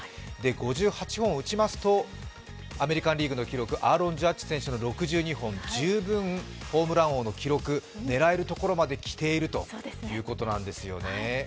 ５８本打ちますと、アメリカン・リーグの記録、アーロン・ジャッジ選手の６２本、十分ホームラン王の記録を狙えるところまできているということなんですよね。